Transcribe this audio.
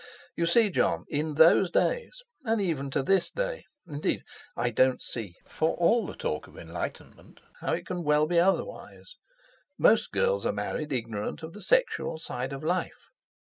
You see, Jon, in those days and even to this day—indeed, I don't see, for all the talk of enlightenment, how it can well be otherwise—most girls are married ignorant of the sexual side of life.